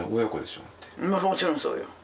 もちろんそうよ。